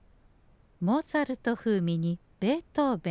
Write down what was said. モーツァルト風味にベートーベン。